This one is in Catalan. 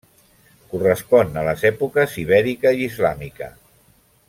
Correspon a les èpoques ibèrica i islàmica.